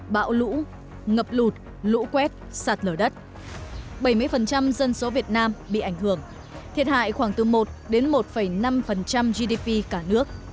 bão lũ ngập lụt lũ quét sạt lở đất bảy mươi dân số việt nam bị ảnh hưởng thiệt hại khoảng từ một đến một năm gdp cả nước